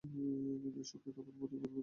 কিন্তু এই সংকেতও আমি মনে মনে ভেদ করিয়াছি।